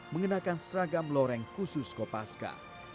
mengenakan seragam loreng khusus kopaska